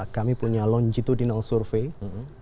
kami punya longitudinal survey